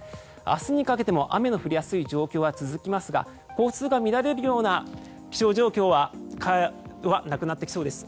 明日にかけても雨の降りやすい状況は続きますが交通が乱れるような気象状況はなくなってきそうです。